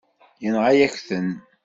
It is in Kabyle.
Yenɣa-yak-ten.